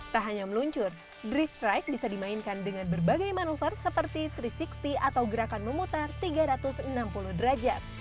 tak hanya meluncur drift strike bisa dimainkan dengan berbagai manuver seperti tiga ratus enam puluh atau gerakan memutar tiga ratus enam puluh derajat